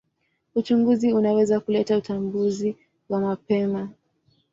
Uchunguzi unaweza kuleta utambuzi wa mapema.